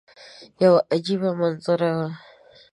یوه عجیبه منظره وه.